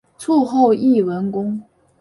卒后谥文恭。